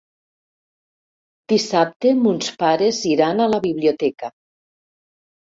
Dissabte mons pares iran a la biblioteca.